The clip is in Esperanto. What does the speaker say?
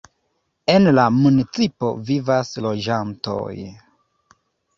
En la municipo vivas loĝantoj.